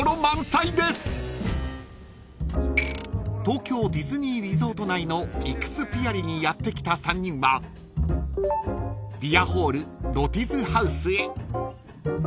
［東京ディズニーリゾート内のイクスピアリにやって来た３人はビアホールロティズ・ハウスへ］